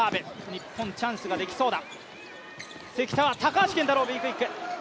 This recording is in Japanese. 日本、チャンスができそうだ。